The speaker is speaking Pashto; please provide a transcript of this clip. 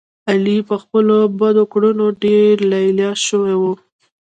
علي په خپلو بدو کړنو ډېر لیله شو دی.